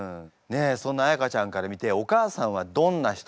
そんな彩歌ちゃんから見てお母さんはどんな人ですか？